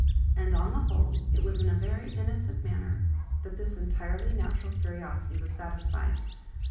And, on the whole, it was in a very innocent man ner that this entirely natural curiosity was satis fied.